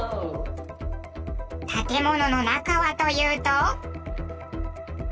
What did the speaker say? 建物の中はというと。